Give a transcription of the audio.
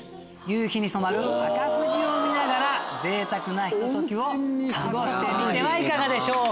夕日に染まる赤富士を見ながらぜいたくなひと時を過ごしてみてはいかがでしょう。